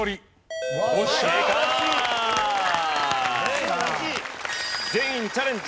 素晴らしい！